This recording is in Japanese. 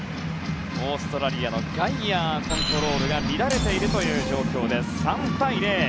オーストラリアのガイヤーコントロールが乱れている状況で３対０。